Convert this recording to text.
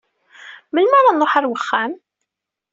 Melmi ad nruḥ ɣer uxxam?